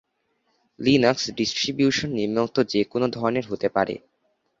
Linux distribution নিম্নোক্ত যে কোন ধরনের হতে পারেঃ